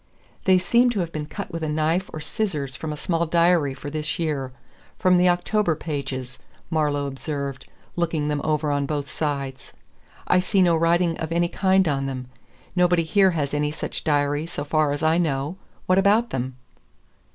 "They seem to have been cut with a knife or scissors from a small diary for this year from the October pages," Marlowe observed, looking them over on both sides. "I see no writing of any kind on them. Nobody here has any such diary so far as I know. What about them?"